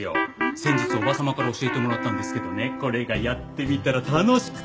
先日叔母様から教えてもらったんですけどねこれがやってみたら楽しくて。